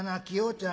ちゃん